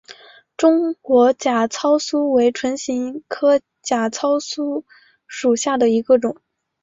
中间假糙苏为唇形科假糙苏属下的一个种。